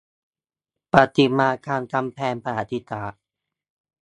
ประติมากรรมกำแพงประวัติศาสตร์